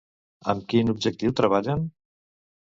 Amb quin objectiu treballen?